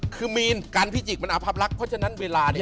คือมีนกันพิจิกมันอภับลักษณ์เพราะฉะนั้นเวลานี้